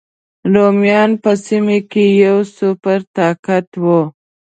رومیان په سیمه کې یو سوپر طاقت و.